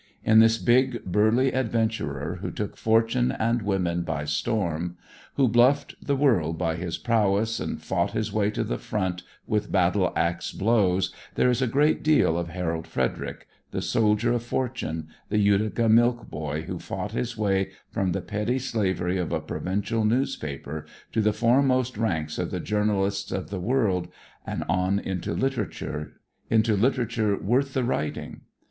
In this big, burly adventurer who took fortune and women by storm, who bluffed the world by his prowess and fought his way to the front with battle ax blows, there is a great deal of Harold Frederic, the soldier of fortune, the Utica milk boy who fought his way from the petty slavery of a provincial newspaper to the foremost ranks of the journalists of the world and on into literature, into literature worth the writing.